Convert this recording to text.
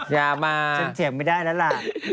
ฉันเสียงไม่ได้แล้วล่ะ